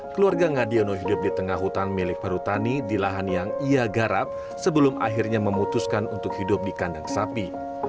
keluarga ngadiono hidup di tengah hutan milik perhutani di lahan yang ia garap sebelum akhirnya memutuskan untuk hidup di kandang sapi